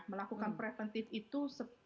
melakukan preventif itu